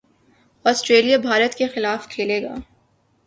Australia Bharat کے خلاف کھیلے گا